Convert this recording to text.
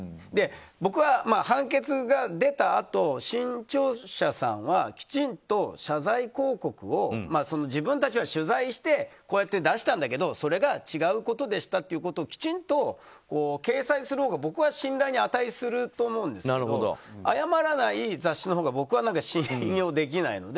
僕は、判決が出たあと新潮社さんはきちんと謝罪広告を自分たちは取材してこうやって出したんだけどそれが違うことでしたということをきちんと掲載するほうが僕は信頼に値すると思うんですけど謝らない雑誌のほうが僕は信用できないので。